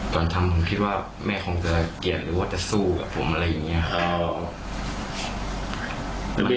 ตอนทำผมคิดว่าแม่คงจะเกลียดหรือว่าจะสู้กับผมอะไรอย่างนี้ครับ